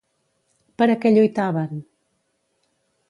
Per a què lluitaven?